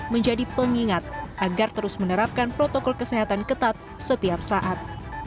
menjadi pengingat agar terus menerapkan protokol kesehatan ketat setiap saat